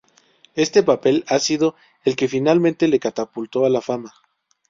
Este papel ha sido el que finalmente le catapultó a la fama.